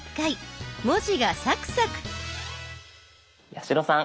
八代さん